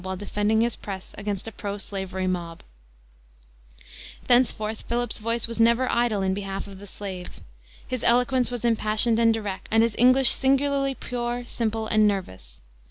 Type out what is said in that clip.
while defending his press against a pro slavery mob. Thenceforth Phillips's voice was never idle in behalf of the slave. His eloquence was impassioned and direct, and his English singularly pure, simple, and nervous.